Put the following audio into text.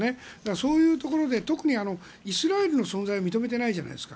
そういうところで特にイスラエルの存在を認めていないじゃないですか。